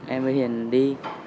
em với hiền đi